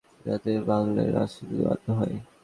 এমন পরিস্থিতি তৈরি করতে হবে যাতে বাংলায় রায় লিখতে বাধ্য হন।